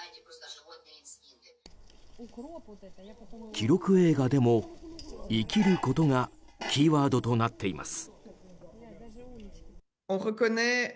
記録映画でも「生きること」がキーワードとなっています。